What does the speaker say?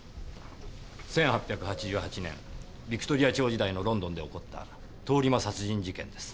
１８８８年ビクトリア朝時代のロンドンで起こった通り魔殺人事件です。